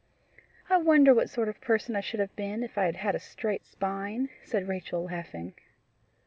"I wonder what sort of person I should have been if I had had a straight spine!" said Rachel laughing.